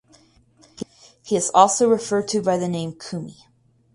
He is also referred to by the name "Kumi".